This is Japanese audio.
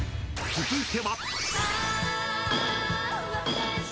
［続いては］